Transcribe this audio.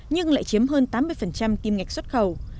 nhưng lại chiếm hơn tám mươi kim ngạch xuất khẩu